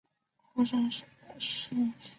后翅扇形。